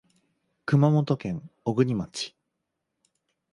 熊本県小国町